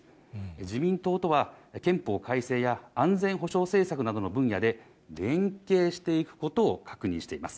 自民党とは憲法改正や安全保障政策などの分野で、連携していくことを確認しています。